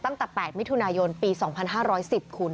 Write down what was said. ตั้งแต่๘มิถุนายนปี๒๕๑๐คุณ